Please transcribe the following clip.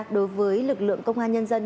đối với lực lượng công an nhân dân